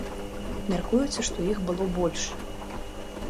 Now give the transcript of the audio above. Мяркуецца, што іх было больш.